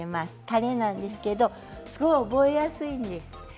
たれなんですけれど覚えやすいです。